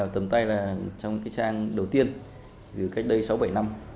tầm tây là trong cái trang đầu tiên từ cách đây sáu bảy năm